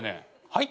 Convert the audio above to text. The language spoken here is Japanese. はい？